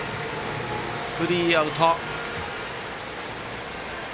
スリーアウト。